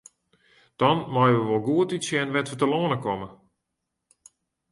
Dan meie we wol goed útsjen wêr't we telâne komme.